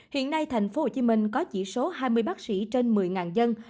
hiện nay tp hcm có chỉ số hai mươi bác sĩ trên một mươi dân